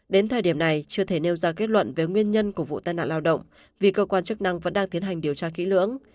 đến thời điểm này chưa thể nêu ra kết luận về nguyên nhân của vụ tai nạn lao động vì cơ quan chức năng vẫn đang tiến hành điều tra kỹ lưỡng